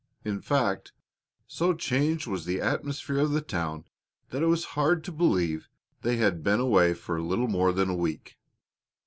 In fact, so changed was the atmosphere of the town that it was hard to believe they had been away for little more than a week.